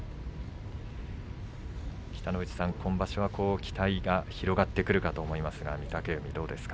北の富士さん、今場所は期待が広がってくるかと思いますが御嶽海、どうですか？